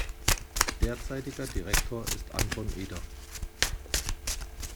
Derzeitiger Direktor ist Anton Eder.